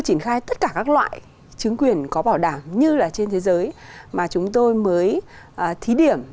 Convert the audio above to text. triển khai tất cả các loại chứng quyền có bảo đảm như là trên thế giới mà chúng tôi mới thí điểm